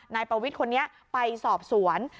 นายประวิทย์คนนี้ไปสอบสวน